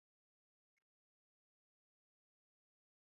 终尿里面是含氮的物质。